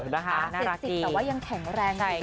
๗๐แต่ว่ายังแข็งแรงอยู่